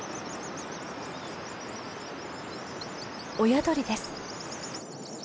親鳥です。